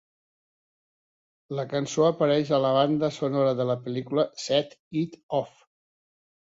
La cançó apareix a la banda sonora de la pel·lícula "Set It Off".